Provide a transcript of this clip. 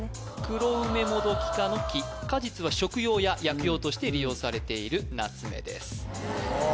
クロウメモドキ科の木果実は食用や薬用として利用されているナツメです